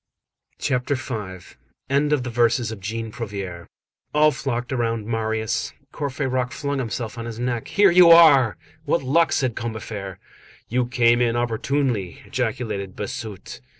CHAPTER V—END OF THE VERSES OF JEAN PROUVAIRE All flocked around Marius. Courfeyrac flung himself on his neck. "Here you are!" "What luck!" said Combeferre. "You came in opportunely!" ejaculated Bossuet.